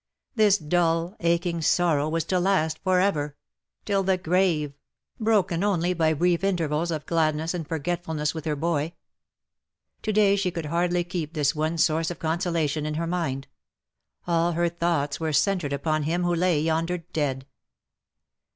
This dull aching sorrow was to last for ever — till the grave — 46 DUEL OR MURDER ? broken only by brief intervals of gladness and forgetfulness with her boy. To day she could hardly keep this one source of consolation in her mind. All her thoughts were centred upon him who lay yonder dead.